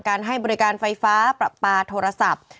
ให้บริการไฟฟ้าประปาโทรศัพท์